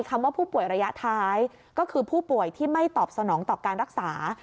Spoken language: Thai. ว่าผู้ป่วยระยะท้ายก็คือผู้ป่วยที่ไม่ตอบสนองต่อการรักษา